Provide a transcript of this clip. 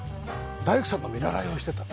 大工さんの見習いをしてたと。